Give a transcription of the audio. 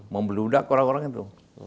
membeludak orang orang itu